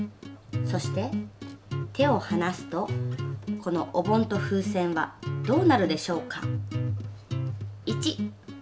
そして手を離すとこのお盆と風船はどうなるでしょうか？